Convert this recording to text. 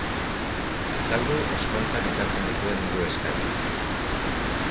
Azaldu ezkontzak ekartzen dituen hiru eskari.